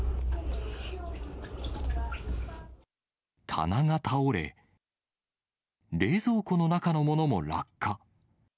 棚が倒れ、冷蔵庫の中のものも落下。